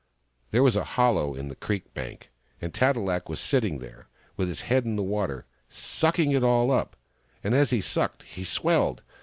There was a hollow in the creek bank, and Tat e lak was sitting there, with his head in the water, sucking it all up ; and as he sucked, he swelled.